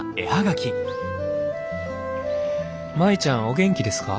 お元気ですか？」。